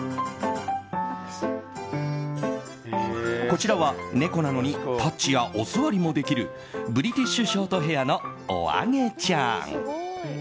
こちらは、猫なのにタッチやお座りもできるブリティッシュショートヘアのおあげちゃん。